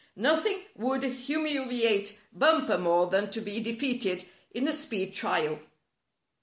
Nothing would humiliate Bumper more than to be defeated in a speed trial.